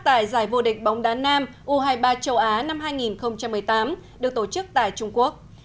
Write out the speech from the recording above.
tại giải vô địch bóng đá nam u hai mươi ba châu á năm hai nghìn một mươi tám được tổ chức tại trung quốc